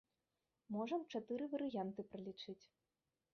Можам чатыры варыянты пралічыць.